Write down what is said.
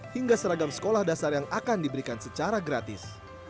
hingga seragam sekolah dasar yang akan diberikan secara gratis